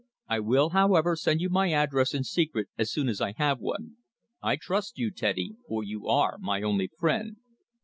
I will, however, send you my address in secret as soon as I have one. I trust you, Teddy, for you are my only friend.